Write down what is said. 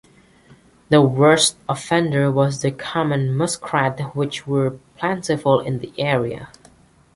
The worst offender was the common muskrat which were plentiful in the area.